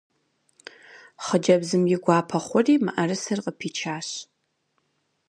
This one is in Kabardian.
Хъыджэбзым и гуапэ хъури мыӏэрысэр къыпичащ.